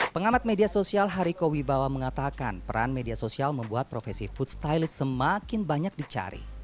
pengamat media sosial hariko wibawa mengatakan peran media sosial membuat profesi food stylist semakin banyak dicari